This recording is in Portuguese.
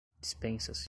Dispensa-se